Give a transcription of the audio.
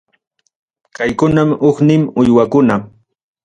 Kaykunam huknin uywakuna.